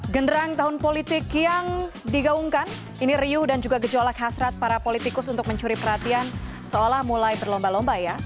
genderang tahun politik yang digaungkan ini riuh dan juga gejolak hasrat para politikus untuk mencuri perhatian seolah mulai berlomba lomba ya